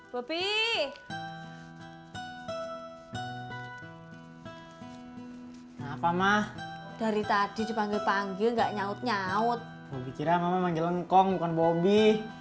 kenapa mah dari tadi dipanggil panggil enggak nyaut nyaut kiranya manggil lengkong bukan bobby